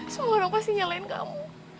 semua orang pasti nyalain kamu